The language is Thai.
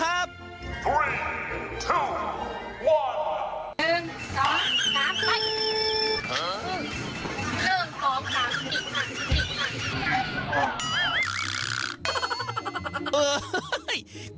เริ่มต่อครั้งอีกหนึ่งอีกหนึ่ง